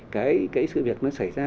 cái sự việc nó xảy ra